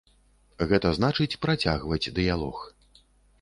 Гэта значыць, працягваць дыялог.